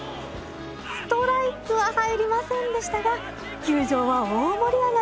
ストライクは入りませんでしたが球場は大盛り上がり！